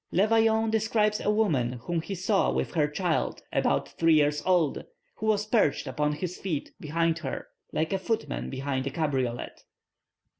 Le Vaillant describes a woman whom he saw with her child about three years old, who was perched upon his feet behind her, like a footman behind a cabriolet.